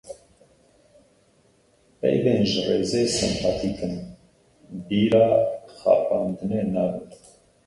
Peyvên ji rêzê sempatîk in, bîra xapandinê nabin.